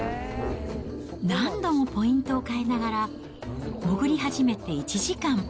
何度もポイントを変えながら、潜り始めて１時間。